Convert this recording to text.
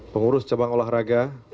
pengurus cabang olahraga